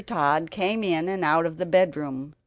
Tod came in and out of the bedroom.